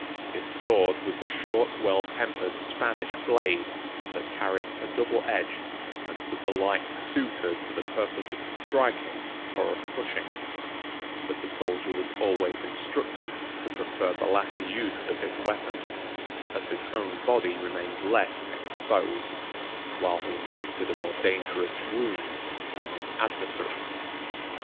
His sword was a short well tempered Spanish blade, that carried a double edge, and was alike suited to the purpose of striking or of pushing; but the soldier was always instructed to prefer the latter use of his weapon, as his own body remained less exposed, whilst he inflicted a more dangerous wound on his adversary.